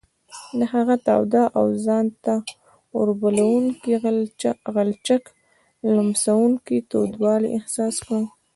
د هغه تاوده او ځان ته اوربلوونکي غلچک لمسوونکی تودوالی احساس کړ.